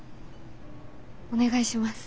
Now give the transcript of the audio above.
お願いします。